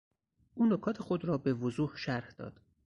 او نکات خود را به وضوح شرح داد.